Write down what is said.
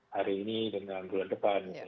hari ini dengan bulan depan